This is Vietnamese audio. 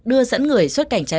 đưa dẫn người xuất cảnh trạng